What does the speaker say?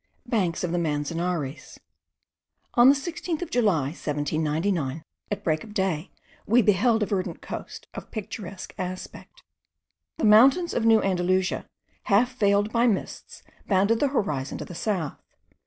BANKS OF THE MANZANARES. On the 16th of July, 1799, at break of day, we beheld a verdant coast, of picturesque aspect. The mountains of New Andalusia, half veiled by mists, bounded the horizon to the south.